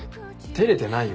照れてないよ。